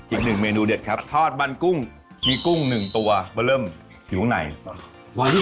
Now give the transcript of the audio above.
อีกหนึ่งเมนูเด็ดครับทอดมันกุ้งมีกุ้งหนึ่งตัวมาเริ่มอยู่ข้างใน